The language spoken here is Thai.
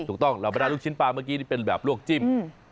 ถูกต้องเราไปด้านลูกชิ้นปลาเมื่อกี้เป็นแบบลวกจิ้ม